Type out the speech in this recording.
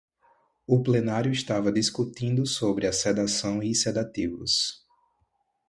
O plenário estava discutindo sobre a sedação e sedativos